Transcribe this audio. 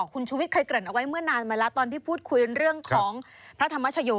คุณชุวิตเคยเกริ่นเอาไว้เมื่อนานมาแล้วตอนที่พูดคุยเรื่องของพระธรรมชโย